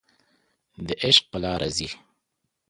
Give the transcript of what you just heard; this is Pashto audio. د عشق په لاره ځي